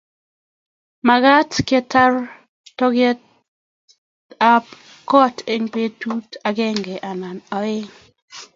mekat ketar toketab koot eng betut agenge anan oeng'